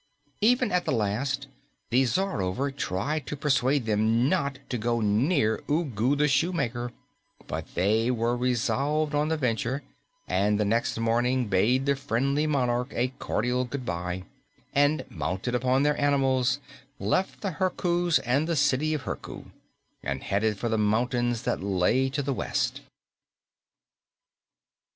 Even at the last, the Czarover tried to persuade them not to go near Ugu the Shoemaker, but they were resolved on the venture, and the next morning bade the friendly monarch a cordial goodbye and, mounting upon their animals, left the Herkus and the City of Herku and headed for the mountains that lay to the west.